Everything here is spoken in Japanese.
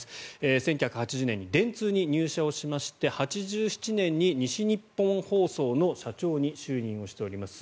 １９８０年に電通に入社をしまして１９８７年に西日本放送の社長に就任しております。